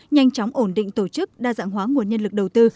nhanh chóng ổn định tổ chức đa dạng hóa nguồn nhân lực đầu tư